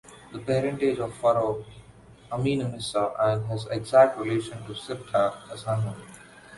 The parentage of Pharaoh Amenmesse and his exact relation to Siptah is unknown.